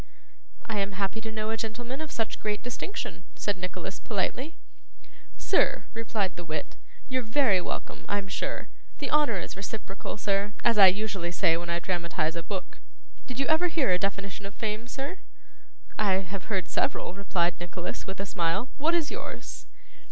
'I am happy to know a gentleman of such great distinction,' said Nicholas, politely. 'Sir,' replied the wit, 'you're very welcome, I'm sure. The honour is reciprocal, sir, as I usually say when I dramatise a book. Did you ever hear a definition of fame, sir?' 'I have heard several,' replied Nicholas, with a smile. 'What is yours?